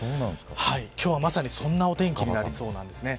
今日は、まさにそんな、お天気になりそうです。